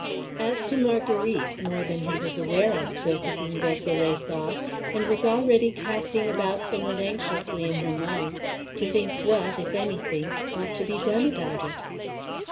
As to Marguerite, more than he was aware of, Zoséphine Beausoleil saw, and was already casting about somewhat anxiously in her mind to think what, if any thing, ought to be done about it.